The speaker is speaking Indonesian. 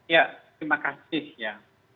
ya terima kasih ya